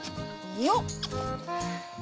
よっ！